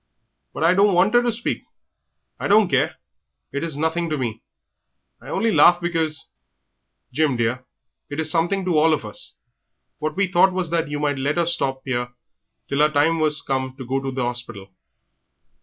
"But I don't want 'er to speak. I don't care, it's nothing to me; I only laughed because " "Jim, dear, it is something to all of us. What we thought was that you might let her stop 'ere till her time was come to go to the 'orspital."